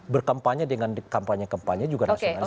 berkampanye dengan kampanye kampanye juga nasionalis